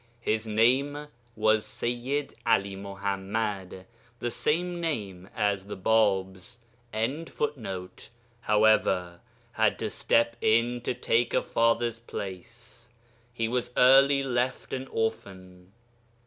His name was Seyyid 'Ali Muḥammad (the same name as the Bāb's).] however, had to step in to take a father's place; he was early left an orphan.